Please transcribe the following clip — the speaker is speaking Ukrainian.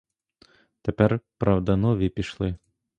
Тепер, правда, нові пішли.